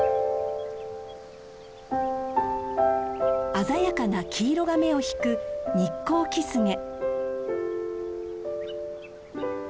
鮮やかな黄色が目を引くニッコウキスゲ。